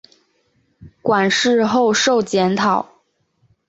馆试后授检讨。